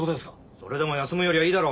それでも休むよりはいいだろ。